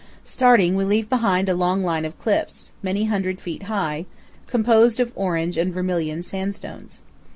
Starting, we leave behind a long line of cliffs, many hundred feet high, composed of orange and vermilion sandstones.